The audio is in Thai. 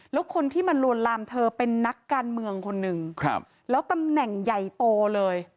แล้วคนที่มาลวนลามเธอเป็นนักการเมืองคนหนึ่งครับแล้วตำแหน่งใหญ่โตเลย